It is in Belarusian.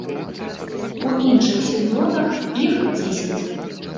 У іншых сезонах іх дзесяць.